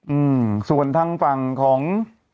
อืมส่วนทางฝั่งของ